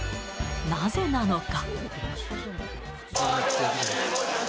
なぜなのか。